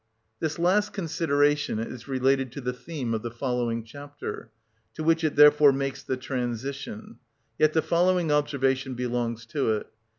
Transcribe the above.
This last consideration is related to the theme of the following chapter, to which it therefore makes the transition: yet the following observation belongs to it.